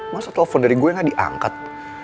masa telepon dari gue gak diangkat